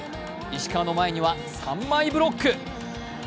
石川の前には三枚ブロック。